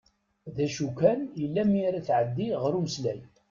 D acu kan yal mi ara tɛeddi ɣer umeslay.